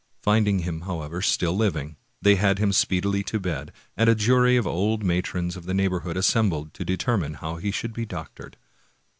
Finding him, however, still living, they had him speedily to bed, and a jury of old matrons of the neighborhood assembled to determine how he should be doctored.